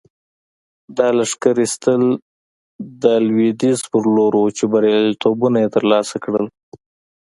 دا لښکر ایستل د لویدیځ په لور وو چې بریالیتوبونه یې ترلاسه کړل.